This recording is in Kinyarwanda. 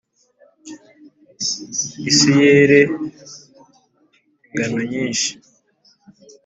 isi yere ingano nyinshi,